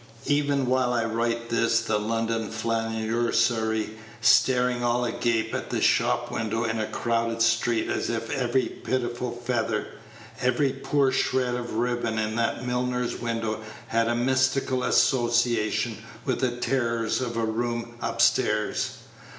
Even while I write this the London flaneursare staring all agape at a shop window in a crowded street as if every pitiful feather, every poor shred of ribbon in that milliner's window had a mystical association with the terrors of a room up stairs.